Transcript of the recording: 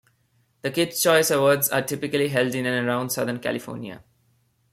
The Kids' Choice Awards are typically held in and around Southern California.